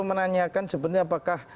menanyakan sebetulnya apakah